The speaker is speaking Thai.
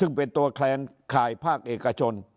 ซึ่งเป็นตัวแคลนข่ายภาคเอกชน